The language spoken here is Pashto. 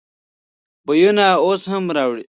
بویونه یې اوس هم راوزي.